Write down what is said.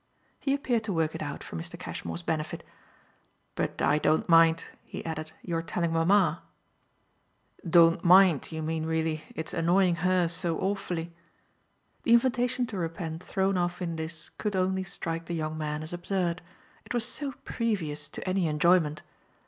He appeared to work it out for Mr. Cashmore's benefit. "But I don't mind," he added, "your telling mamma." "Don't mind, you mean really, its annoying her so awfully?" The invitation to repent thrown off in this could only strike the young man as absurd it was so previous to any enjoyment.